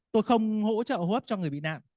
tôi không hỗ trợ hấp cho người bị nạn